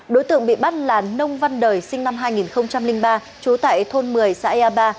đối tượng bị bắt là nông văn đời sinh năm hai nghìn ba trú tại thôn một mươi xã ea ba